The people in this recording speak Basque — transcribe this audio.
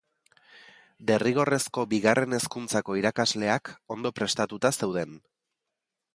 Derrigorrezko Bigarren Hezkuntzako irakasleak ondo prestatuta zeuden.